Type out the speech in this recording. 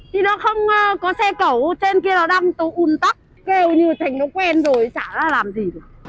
thì nó không có xe cẩu trên kia nó đang tụi un tắc kêu như thành nó quen rồi chả ra làm gì